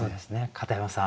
片山さん